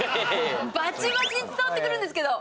バチバチ伝わってくるんですけど。